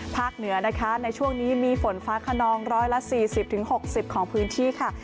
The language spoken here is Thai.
เหนือนะคะในช่วงนี้มีฝนฟ้าขนอง๑๔๐๖๐ของพื้นที่ค่ะ